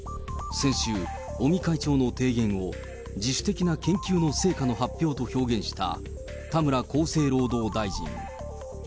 先週、尾身会長の提言を、自主的な研究の成果の発表と表現した田村厚生労働大臣。